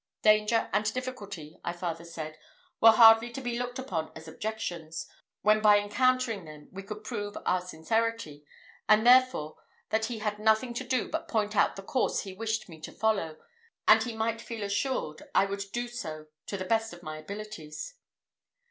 Danger and difficulty, I farther said, were hardly to be looked upon as objections, when by encountering them we could prove our sincerity; and, therefore, that he had nothing to do but point out the course he wished me to follow, and he might feel assured I would do so to the best of my abilities.